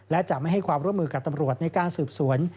และจะไม่ให้ความร่วมมือกับตำรวจในการสืบสวน